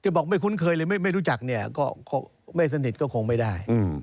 บอกไม่คุ้นเคยเลยไม่รู้จักเนี่ยก็ไม่สนิทก็คงไม่ได้